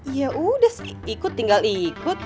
ya udah ikut tinggal ikut